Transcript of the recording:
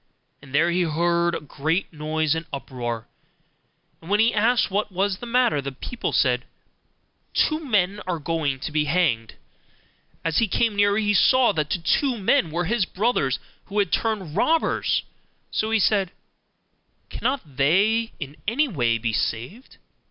And there he heard a great noise and uproar; and when he asked what was the matter, the people said, 'Two men are going to be hanged.' As he came nearer, he saw that the two men were his brothers, who had turned robbers; so he said, 'Cannot they in any way be saved?